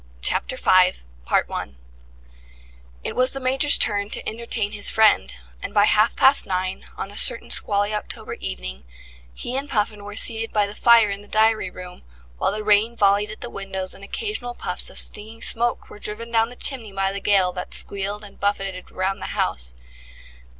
CHAPTER FIVE It was the Major's turn to entertain his friend, and by half past nine, on a certain squally October evening, he and Puffin were seated by the fire in the diary room, while the rain volleyed at the windows and occasional puffs of stinging smoke were driven down the chimney by the gale that squealed and buffeted round the house.